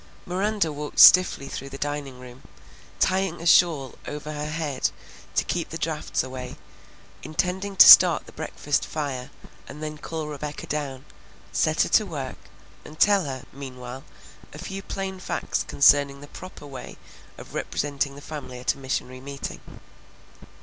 Miranda walked stiffly through the dining room, tying a shawl over her head to keep the draughts away, intending to start the breakfast fire and then call Rebecca down, set her to work, and tell her, meanwhile, a few plain facts concerning the proper way of representing the family at a missionary meeting.